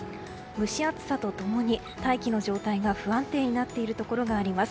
蒸し暑さと共に大気の状態が不安定になっているところがあります。